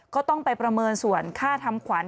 ก็ต้องไปประเมินส่วนค่าทำขวัญ